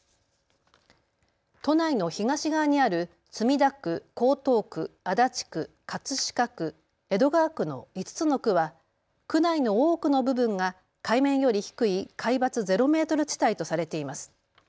都内の東側にある墨田区、江東区、足立区、葛飾区、江戸川区の５つの区は区内の多くの部分が海面より低い海抜ゼロメートル地帯とされています。